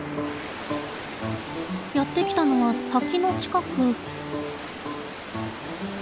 やって来たのは滝の近く。